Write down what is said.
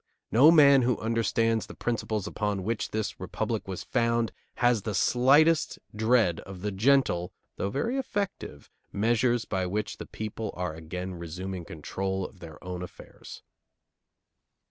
No man who understands the principles upon which this Republic was founded has the slightest dread of the gentle, though very effective, measures by which the people are again resuming control of their own affairs.